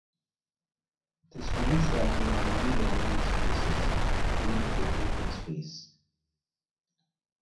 This means that there are many gallery spaces, linked with open space.